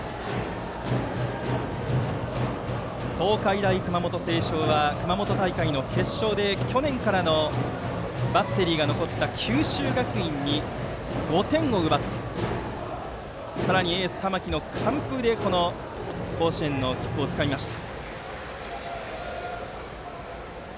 東海大熊本星翔は熊本大会の決勝で去年からのバッテリーが残った九州学院に５点を奪ってさらにエース、玉木の完封でこの甲子園の切符をつかみました。